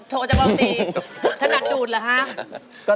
หรือหนักดูดละฮะ